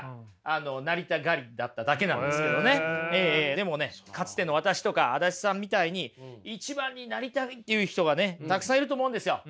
でもねかつての私とか足立さんみたいに一番になりたいっていう人がねたくさんいると思うんですよ。